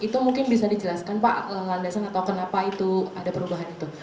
itu mungkin bisa dijelaskan pak landasan atau kenapa itu ada perubahan itu